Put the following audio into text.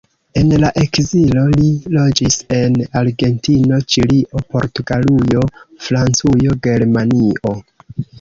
En la ekzilo, li loĝis en Argentino, Ĉilio, Portugalujo, Francujo, Germanio.